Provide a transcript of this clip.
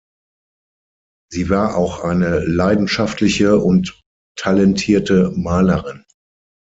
Sie war auch eine leidenschaftliche und talentierte Malerin.